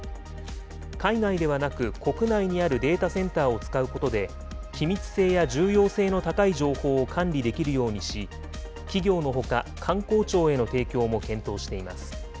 海外ではなく国内にあるデータセンターを使うことで、機密性や重要性の高い情報を管理できるようにし、企業のほか、官公庁への提供も検討しています。